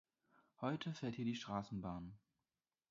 Heute fährt hier die Straßenbahn.